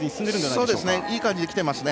いい感じできてますね。